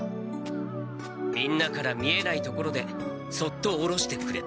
みんなから見えない所でそっとおろしてくれた。